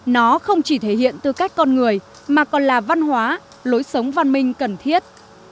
nó không chỉ thể hiện tư cách con người mà còn là văn hóa lối sống văn minh cần thiết